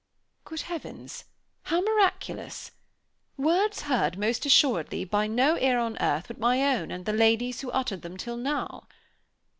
"Good Heavens! How miraculous! Words heard most assuredly, by no ear on earth but my own and the lady's who uttered them, till now!"